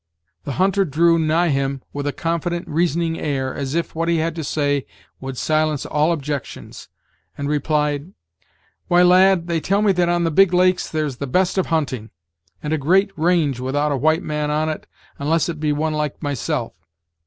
The hunter drew nigh him with a confident, reasoning air, as If what he had to say would silence all objections, and replied: "Why, lad, they tell me that on the big lakes there's the best of hunting, and a great range without a white man on it unless it may be one like myself.